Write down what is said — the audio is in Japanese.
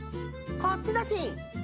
こっちだしん！